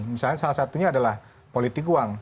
misalnya salah satunya adalah politik uang